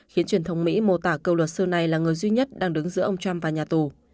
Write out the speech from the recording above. khiến truyền thông mỹ mô tả câu luật sư này là người duy nhất đang đứng giữa ông trump và nhà tù